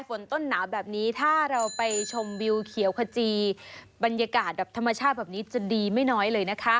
ปิดถ้าช่วงสุดท้ายนี้แล้ว